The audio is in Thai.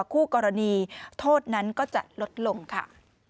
คู่กรณีโทษนั้นก็จะลดลงค่ะ